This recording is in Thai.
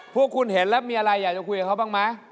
พวกคุณเห็นแล้วมีอะไรอยากจะคุยกับเขาบ้างไหม